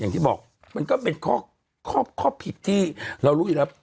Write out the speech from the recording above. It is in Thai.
อย่างที่บอกมันก็เป็นข้อผิดที่เรารู้อยู่แล้ว